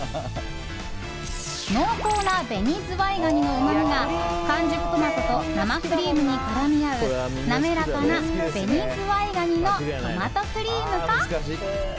濃厚な紅ズワイガニのうまみが完熟トマトと生クリームに絡み合う滑らかな紅ずわい蟹のトマトクリームか。